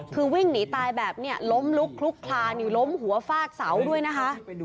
คือวิ่งหนีตายแบบนี้ล้มลุกคลุกคลานอยู่ล้มหัวฟาดเสาด้วยนะคะ